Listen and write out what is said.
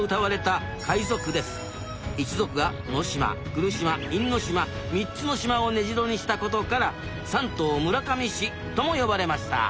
一族が能島・来島・因島三つの島を根城にした事から「三島村上氏」とも呼ばれました。